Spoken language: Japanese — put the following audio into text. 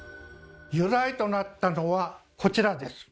由来となったのはこちらです。